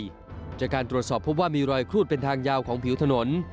จากการตรวจสอบพบว่ามีรอยครูดเป็นทางยาวของผิวถนน